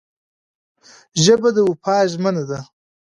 ژبه د وفا ژمنه ده